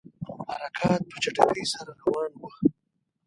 حرکات په چټکۍ سره روان وه.